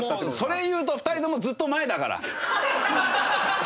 それ言うと２人ともずっと前だから。